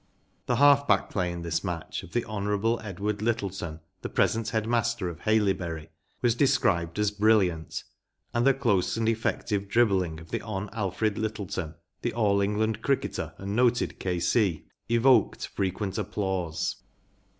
The half back play in this match of the Hon. Edward Lyttelton, the present head master of Haileybury, was described as brilliant, and the close and effective dribbling of the Hon. Alfred Lyttelton, the All England cricketer and noted K.C., “ evoked frequent applause.